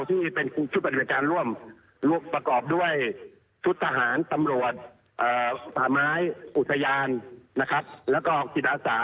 ที่เป็นชุดปฏิบัติการร่วมประกอบด้วยชุดทหารตำรวจป่าไม้อุทยานนะครับแล้วก็จิตอาสา